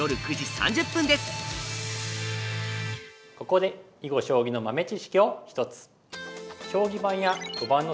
ここで囲碁将棋の豆知識を１つ。